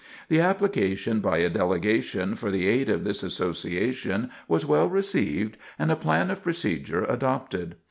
The application, by a delegation, for the aid of this Association was well received and a plan of procedure adopted.